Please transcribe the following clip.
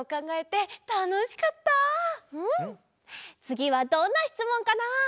つぎはどんなしつもんかな？